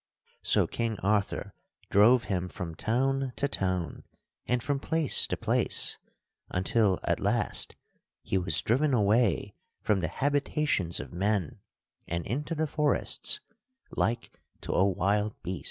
So King Arthur drove him from town to town and from place to place until, at last, he was driven away from the habitations of men and into the forests like to a wild beast.